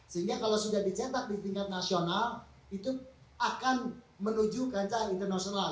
sehingga kalau sudah dicetak di tingkat nasional itu akan menuju kancah internasional